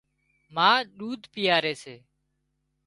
ما ۮوڌ پيئاري سي